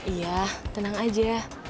iya tenang aja